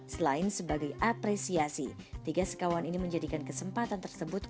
selain sebagai apresiasi tiga sekawan ini menjadikan kesempatan tersebut